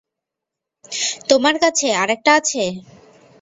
তোমার কাছে আরেকটা আছে?